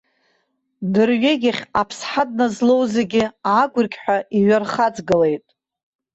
Дырҩегьых аԥсҳа дназлоу зегьы агәырқьҳәа иҩархаҵгылеит.